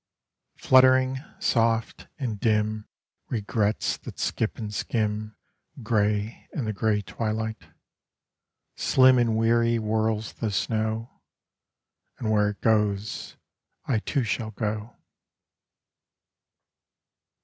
Fluttering, soft, and dim Regrets that skip and skim Grey in the grey twilight; Slim and weary whirls the snow, And where it goes I too shall go.